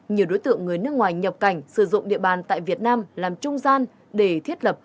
nhiều đối tượng người nước ngoài nhập cảnh sử dụng địa bàn tại việt nam làm trung gian để thiết lập